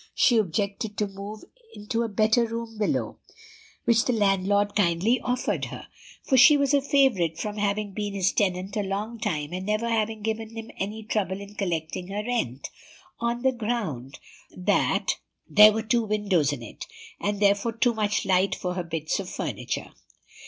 She objected to move into a better room below, which the landlord kindly offered her, for she was a favorite from having been his tenant a long time and never having given him any trouble in collecting her rent, on the ground that there were two windows in it, and therefore too much light for her bits of furniture.